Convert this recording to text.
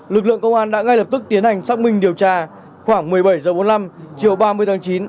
lực lượng công an đã ngay lập tức tiến hành xác minh điều tra khoảng một mươi bảy h bốn mươi năm chiều ba mươi tháng chín